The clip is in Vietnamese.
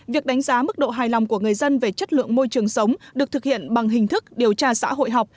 việc đánh giá mức độ hài lòng của người dân về chất lượng môi trường sống được thực hiện bằng hình thức điều tra xã hội học